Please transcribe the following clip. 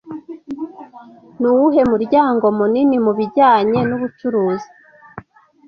Nuwuhe muryango munini mubijyanye nubucuruzi